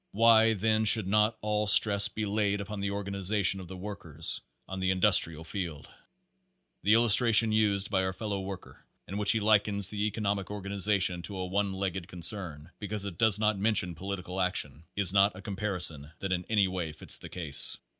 Why then should not all stress be laid upon the organization of the workers on the in dustrial field ? The illustration used by our fellow worker in which he likens the economic organization to a one legged con cern because it does not mention political action, is not a comparison that in any way fits the case.